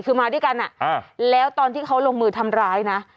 คือมาด้วยกันแล้วตอนที่เขาลงมือทำร้ายนะ